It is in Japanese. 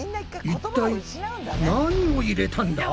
一体何を入れたんだ？